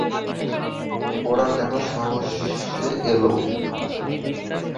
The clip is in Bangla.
ওরা কোন সাহসে এল?